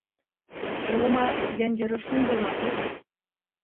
«Улыма» тигән йыры шундай матур.